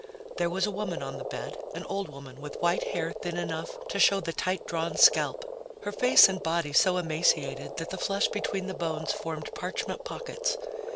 There was a woman on the bed, an old woman with white hair thin enough to show the tight drawn scalp, her face and body so emaciated that the flesh between the bones formed parchment pockets.